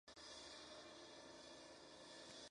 Sus cabezas fueron expuestas en la plaza.